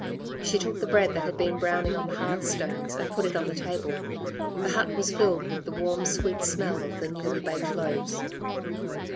She took the bread that had been browning on the hearth stones and put it on the table. The hut was filled with the warm, sweet smell of the newly baked loaves.